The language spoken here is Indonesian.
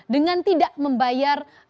dengan tidak membayar